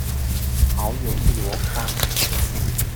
好友一籮筐